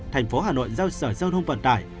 tp hcm giao sở giao thông vận tải